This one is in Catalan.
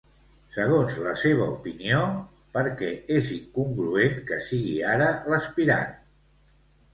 Segons la seva opinió, per què és incongruent que sigui ara l'aspirant?